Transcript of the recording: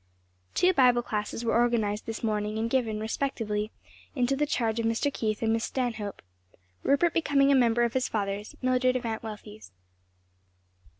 Two Bible classes were organized this morning and given, respectively, into the charge of Mr. Keith and Miss Stanhope; Rupert becoming a member of his father's, Mildred of Aunt Wealthy's.